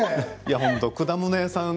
本当、果物屋さん